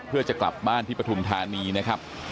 เพื่อจะกลับบ้านที่ปฐุมธานีนะครับ